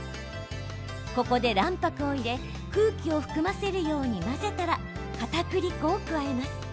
ここで卵白を入れ空気を含ませるように混ぜたらかたくり粉を加えます。